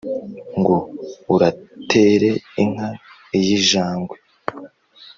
ngo uratere inka y’i jangwe,